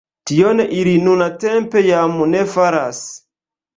Tion ili nuntempe jam ne faras.